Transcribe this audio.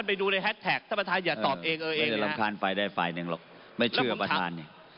ไม่ได้รำคาญไปได้ฝ่ายหนึ่งหรอกไม่เชื่อประธาน